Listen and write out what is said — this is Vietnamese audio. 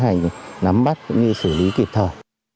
đã tiến hành nắm bắt cũng như xử lý kịp thời